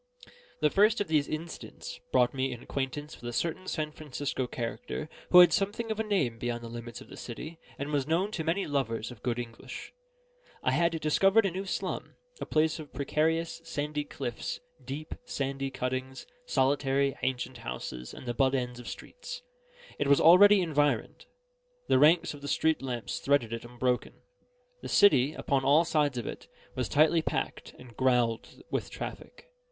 The first of these incidents brought me in acquaintance with a certain San Francisco character, who had something of a name beyond the limits of the city, and was known to many lovers of good English. I had discovered a new slum, a place of precarious, sandy cliffs, deep, sandy cuttings, solitary, ancient houses, and the butt ends of streets. It was already environed. The ranks of the street lamps threaded it unbroken. The city, upon all sides of it, was tightly packed, and growled with traffic.